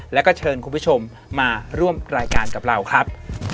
แล้วก็เชิญคุณผู้ชมมาร่วมรายการกับเราครับ